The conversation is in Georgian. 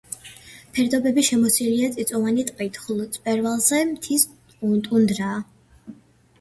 ფერდობები შემოსილია წიწვოვანი ტყით, ხოლო მწვერვალზე მთის ტუნდრაა.